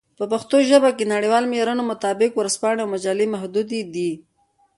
په پښتو ژبه د نړیوالو معیارونو مطابق ورځپاڼې او مجلې محدودې دي.